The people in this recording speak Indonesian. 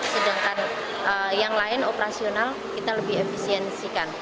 sedangkan yang lain operasional kita lebih efisiensikan